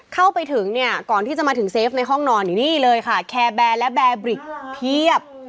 เข้าไปถึงเนี่ยก่อนที่จะมาถึงเซฟในห้องนอนนี่เลยค่ะแคร์แบร์และแบร์บริกเพียบ